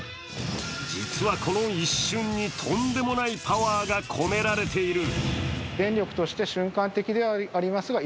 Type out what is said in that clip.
実は、この一瞬にとんでもないパワーが込められている。